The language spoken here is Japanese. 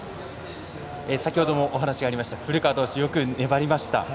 先ほどもお話がありました古川投手、よく粘りました。